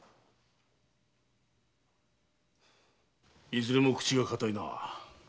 いずれも口が堅いな。